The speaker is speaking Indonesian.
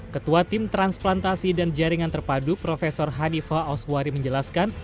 ketua tim transplantasi dan jaringan terpadu prof hanifah oswari menjelaskan